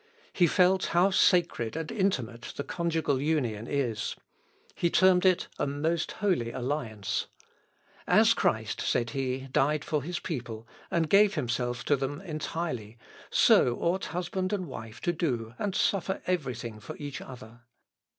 He felt how sacred and intimate the conjugal union is. He termed it "a most holy alliance." "As Christ," said he, "died for his people, and gave himself to them entirely, so ought husband and wife to do and suffer every thing for each other."